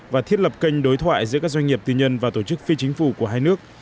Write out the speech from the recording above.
và thiết lập kênh đối thoại giữa các doanh nghiệp tư nhân và tổ chức phi chính phủ của hai nước